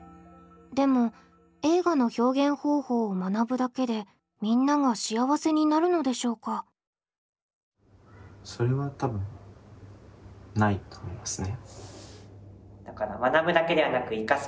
でも映画の表現方法を「学ぶ」だけでみんなが幸せになるのでしょうか？と思いますね。